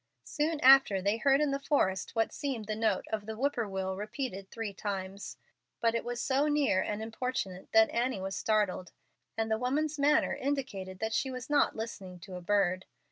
Soon after, they heard in the forest what seemed the note of the whippoorwill repeated three times, but it was so near and importunate that Annie was startled, and the woman's manner indicated that she was not listening to a bird.